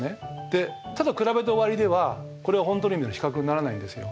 でただ比べて終わりではこれは本当の意味での比較にならないんですよ。